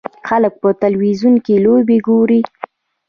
خلک په تلویزیون کې لوبې ګوري.